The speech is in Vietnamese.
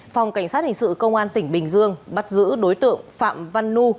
phòng cảnh sát hình sự công an tp hcm bắt giữ đối tượng phạm văn nu